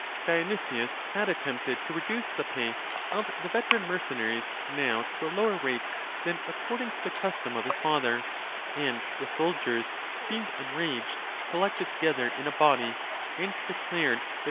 Dionysius had attempted to reduce the pay of the veteran mercenaries now to a lower rate than according to the custom of his father; and the soldiers, being enraged, collected to gether in a body, and declared they would not permit it.